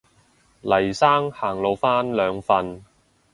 黎生行路返兩份